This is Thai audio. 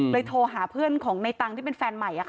โทรหาเพื่อนของในตังค์ที่เป็นแฟนใหม่